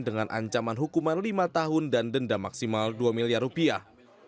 dengan ancaman hukuman lima tahun dan denda maksimal dua miliar rupiah